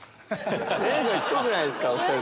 テンション低くないですか？